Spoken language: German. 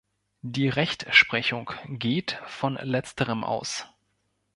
Die Rechtsprechung geht von letzterem aus.